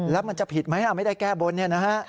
แล้วมันจะผิดไหมล่ะไม่ได้แก้บนเนี่ยนะฮะ